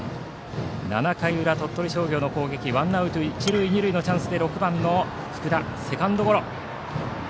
７回裏、鳥取商業の攻撃でワンアウト、一塁二塁のチャンスで６番の福田はセカンドゴロ。